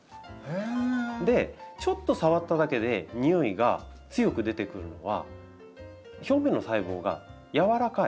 でちょっと触っただけでにおいが強く出てくるのは表面の細胞が軟らかい。